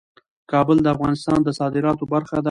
کابل د افغانستان د صادراتو برخه ده.